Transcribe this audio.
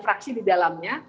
sembilan fraksi di dalamnya